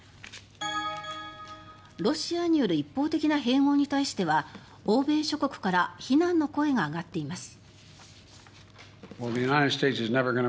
ロシアによる一方的な併合に対しては欧米諸国から非難の声が上がっています。